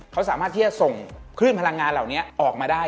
เขาสามารถที่จะส่งคลื่นพลังงานเหล่านี้ออกมาได้